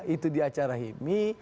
itu di acara hipmi